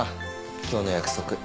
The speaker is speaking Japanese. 今日の約束。